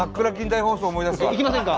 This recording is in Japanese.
行きませんか？